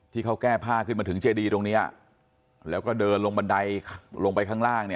ที่เขาแก้ผ้าขึ้นมาถึงเจดีตรงนี้แล้วก็เดินลงบันไดลงไปข้างล่าง